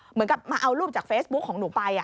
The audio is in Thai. เหมือนกับมาเอารูปจากเฟซบุ๊คของหนูไป